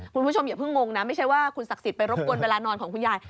คุณผู้ชมอย่าเพิ่งงงนะไม่ใช่ว่าคุณศักดิ์สิทธิ์ไปรบกวนเวลานอนของคุณยาย